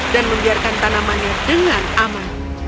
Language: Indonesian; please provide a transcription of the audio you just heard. dan membiarkan tanamannya dengan aman